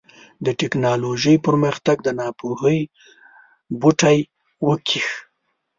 د ټيکنالوژۍ پرمختګ د ناپوهۍ بوټی وکېښ.